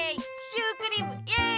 シュークリームイエイ！